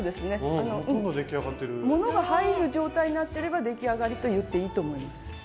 物が入る状態になってれば出来上がりと言っていいと思います。